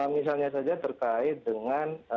misalnya saja terkait dengan